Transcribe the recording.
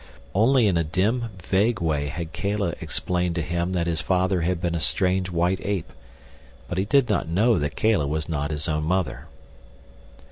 Only in a dim, vague way had Kala explained to him that his father had been a strange white ape, but he did not know that Kala was not his own mother.